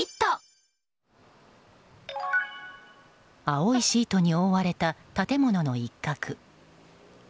青いシートに覆われた建物の一角。